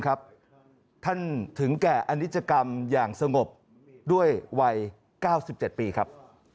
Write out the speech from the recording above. ท่านถึงแก่อนิจกรรมอย่างสงบด้วยวัย๙๗ปีครับ